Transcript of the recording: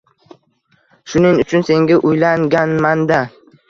Shuning uchun senga uylanganmanda